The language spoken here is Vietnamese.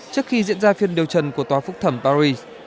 trước khi diễn ra phiên điều trần của tòa phúc thẩm paris